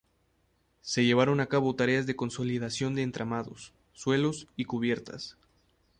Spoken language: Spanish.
Se llevaron a cabo tareas de consolidación de entramados, suelos y cubiertas.